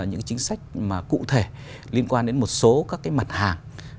những chính sách cụ thể liên quan đến một số mặt hàng